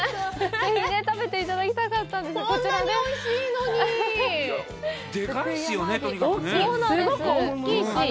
ぜひ、食べていただきたかったんですけど。